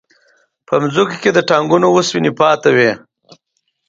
په ځمکو کې د ټانکونو وسپنې پاتې وې